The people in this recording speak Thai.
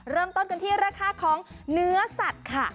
เริ่มต้นกันที่ราคาของเนื้อสัตว์ค่ะ